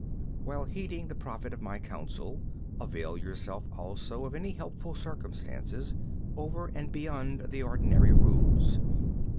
16. While heeding the profit of my counsel, avail yourself also of any helpful circumstances over and beyond the ordinary rules.